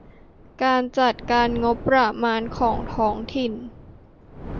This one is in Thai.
การจัดการงบประมาณของท้องถิ่น